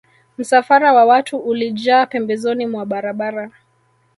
Msafara wa watu ulijaa pembezoni mwa barabara